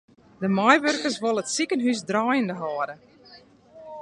De meiwurkers wolle it sikehús draaiende hâlde.